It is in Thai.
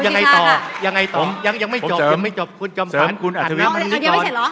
ยังไงต่อยังไม่จบยังไม่จบคุณจำผัสคุณอธิวิตมันนี่ก่อน